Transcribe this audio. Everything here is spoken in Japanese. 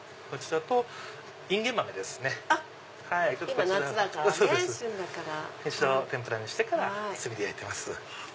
１度天ぷらにしてから炭で焼いてます。